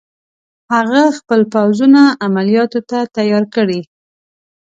هغه خپل پوځونه عملیاتو ته تیار کړي.